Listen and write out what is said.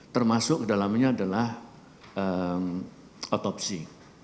termasuk dalamnya adalah otopsi